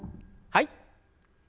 はい。